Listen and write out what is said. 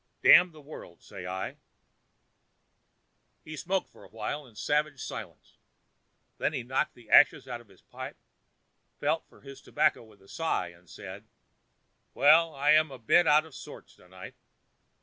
Damn the world, say I!" He smoked for a while in savage silence; then he knocked the ashes out of his pipe, felt for his tobacco with a sigh, and said: "Well, I am a bit out of sorts to night.